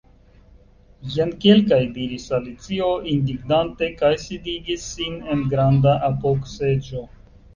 "Jen kelkaj " diris Alicio indignante, kaj sidigis sin en granda apogseĝo.